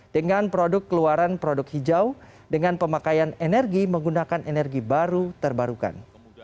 dengan produk keluaran produk hijau dengan pemakaian energi menggunakan energi baru terbarukan